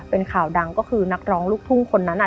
เป็นข่าวดังก็คือนักร้องลูกทุ่งคนนั้น